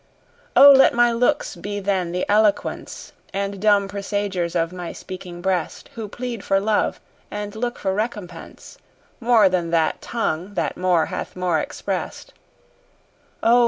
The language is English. O! let my looks be then the eloquence And dumb presagers of my speaking breast, Who plead for love, and look for recompense, More than that tongue that more hath more express'd. O!